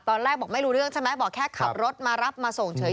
ตอนแรกบอกไม่รู้เรื่องใช่ไหมบอกแค่ขับรถมารับมาส่งเฉย